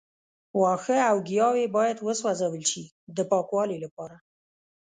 وښه او ګیاوې باید وسوځول شي د پاکوالي لپاره.